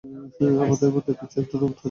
আমার মধ্যে কিছু একটা অনুভূত হচ্ছে।